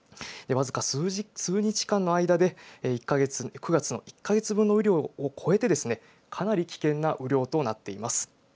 僅か数日間の間で、９月の１か月分の雨量を超えてかなり危険な雨量となっています。